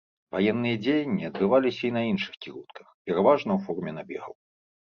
Ваенныя дзеянні адбываліся і на іншых кірунках, пераважна ў форме набегаў.